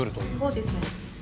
そうですね。